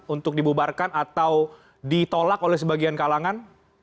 untuk dibubarkan atau ditolak oleh sebagian kalangan